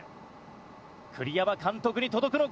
栗山監督に届くのか？